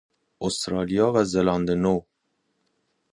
استرالیا و زلاند نو